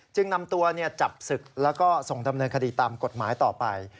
จึงนำตัวจับศึกแล้วก็ส่งดำเนินคดีตามกฎหมายต่อไป